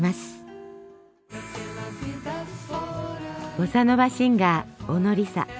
ボサノバシンガー小野リサ。